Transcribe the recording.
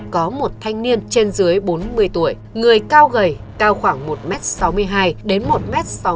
có một thanh niên trên dưới bốn mươi tuổi người cao gầy cao khoảng một m sáu mươi hai đến một m sáu mươi